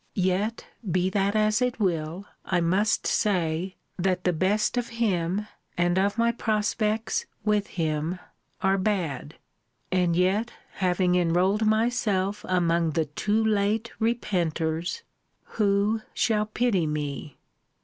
Yet, be that as it will, I must say, that the best of him, and of my prospects with him, are bad; and yet, having enrolled myself among the too late repenters, who shall pity me?